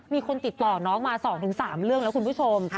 มีคนติดต่อน้องมาสองถึงสามเรื่องน่ะคุณผู้ชม